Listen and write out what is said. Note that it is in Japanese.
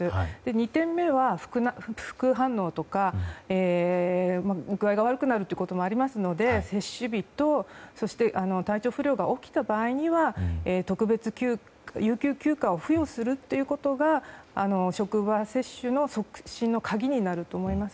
２点目は副反応とか具合が悪くなるということもありますので接種日と体調不良が起きた場合には特別有給休暇を付与するということが職場接種の促進の鍵になると思います。